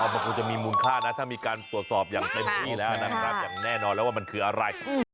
มันคงจะมีมูลค่านะถ้ามีการตรวจสอบอย่างเต็มที่แล้วนะครับอย่างแน่นอนแล้วว่ามันคืออะไร